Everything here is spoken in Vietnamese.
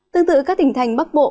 tương tự các tỉnh thành bắc bộ